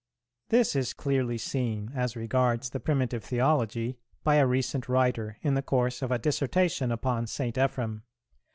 This is clearly seen, as regards the primitive theology, by a recent writer, in the course of a Dissertation upon St. Ephrem.